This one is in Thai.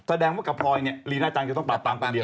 แสดงว่ากับพลอยเนี่ยลีน่าจังจะต้องปราบปรามตามคนเดียว